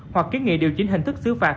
hoặc kiến nghị điều chỉnh hình thức xứ phạt